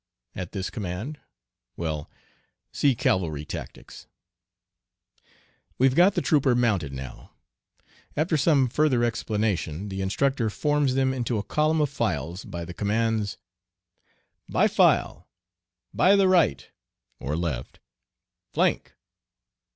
At this command " Well, see "Cavalry Tactics." We've got the trooper mounted now. After some further explanation the Instructor forms them into a column of files by the commands: "By file, by the right (or left) flank.